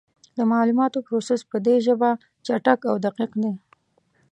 د معلوماتو پروسس په دې ژبه چټک او دقیق دی.